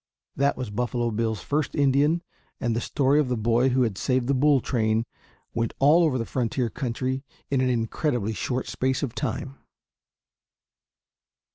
That was Buffalo Bill's first Indian, and the story of the boy who had saved the bull train went all over the frontier country in an incredibly short space of time.